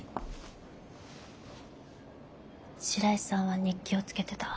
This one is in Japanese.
白井さんは日記をつけてた。